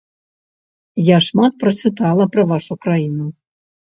Я шмат прачытала пра вашу краіну.